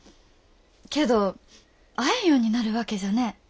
けど会えんようになるわけじゃねえ。